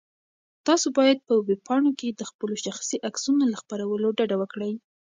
تاسو باید په ویبپاڼو کې د خپلو شخصي عکسونو له خپرولو ډډه وکړئ.